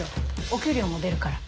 お給料も出るから。